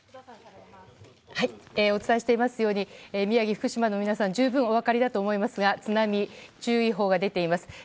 お伝えしていますように宮城、福島の皆さん十分お分かりだと思いますが津波注意報が出ています。